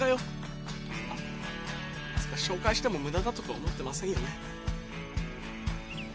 あっまさか紹介しても無駄だとか思ってませんよね？